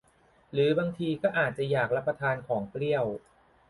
หรือบางทีก็อาจจะอยากรับประทานของเปรี้ยว